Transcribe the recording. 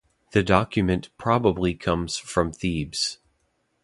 The document probably comes from Thebes.